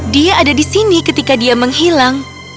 dia ada di sini ketika dia menghilang